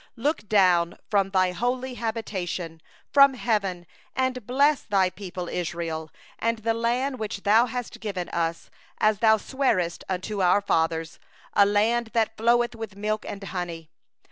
15Look forth from Thy holy habitation, from heaven, and bless Thy people Israel, and the land which Thou hast given us, as Thou didst swear unto our fathers, a land flowing with milk and honey.